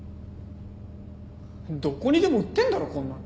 どこにでも売ってんだろこんなの。